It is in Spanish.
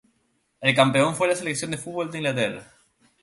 El campeón fue la selección de fútbol de Inglaterra.